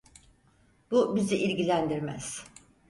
Bu bizi ilgilendirmez.